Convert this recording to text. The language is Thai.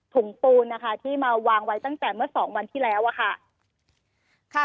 ปูนนะคะที่มาวางไว้ตั้งแต่เมื่อสองวันที่แล้วอะค่ะ